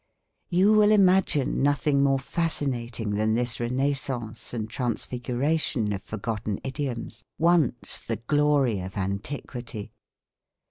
You will imagine nothing more fascinating than this renaissance and transfiguration of forgotten idioms, once the glory of antiquity.